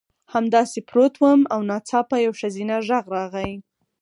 همداسې پروت وم او ناڅاپه یو ښځینه غږ راغی